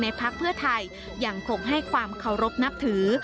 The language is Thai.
พักเพื่อไทยยังคงให้ความเคารพนับถือ